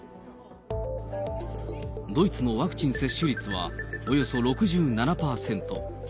ドイツのワクチン接種率は、およそ６７％。